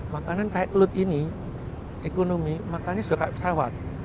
makanan kayak elut ini ekonomi makannya sudah kayak pesawat